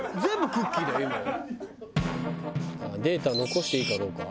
データを残していいかどうか？